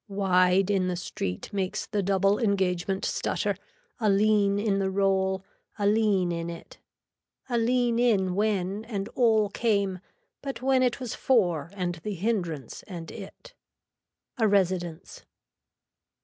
Wide in the street makes the double engagement stutter, a lean in the roll, a lean in it. A lean in when and all came but when it was for and the hindrance and it. A residence.